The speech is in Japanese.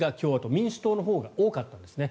民主党のほうが多かったんですね。